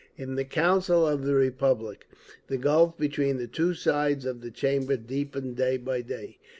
In the Council of the Republic the gulf between the two sides of the chamber deepened day by day.